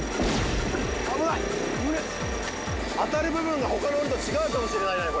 当てる部分が他の鬼と違うかもしれないね